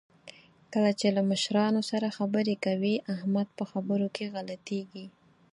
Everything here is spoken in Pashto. کله چې له مشرانو سره خبرې کوي، احمد په خبرو کې غلطېږي.